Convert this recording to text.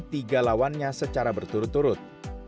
tiga lawannya secara berturut turut